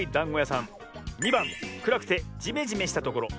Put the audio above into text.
２ばんくらくてジメジメしたところ。